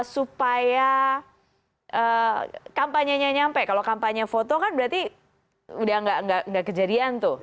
supaya kampanyenya nyampe kalau kampanye foto kan berarti udah gak kejadian tuh